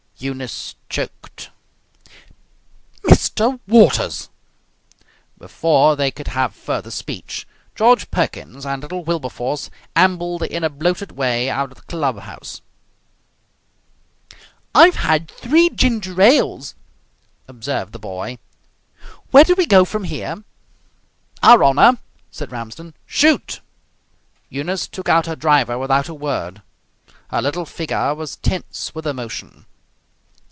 Eunice choked. "Mr. Waters!" Before they could have further speech George Perkins and little Wilberforce ambled in a bloated way out of the clubhouse. "I've had three ginger ales," observed the boy. "Where do we go from here?" "Our honour," said Ramsden. "Shoot!" Eunice took out her driver without a word. Her little figure was tense with emotion.